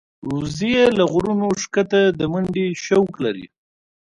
وزې له غرونو ښکته د منډې شوق لري